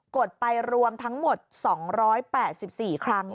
ดไปรวมทั้งหมด๒๘๔ครั้ง